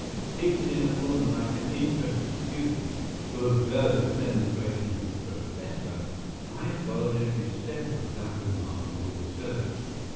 Seated in a corner like an interested student who observes the demonstration of his professor, I followed every step of that remarkable research.